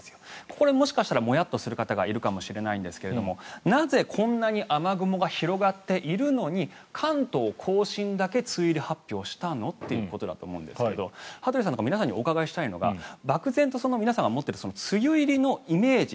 これ、もしかしたらもやっとする方がいるかもしれないんですがなぜこんなに雨雲が広がっているのに関東・甲信だけ梅雨入り発表したの？ということだと思うんですが羽鳥さんとか皆さんにお伺いしたいのが漠然と皆さんが持っている梅雨入りのイメージ